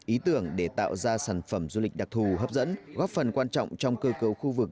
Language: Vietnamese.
ý tưởng để tạo ra sản phẩm du lịch đặc thù hấp dẫn góp phần quan trọng trong cơ cấu khu vực